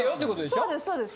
そうですそうです。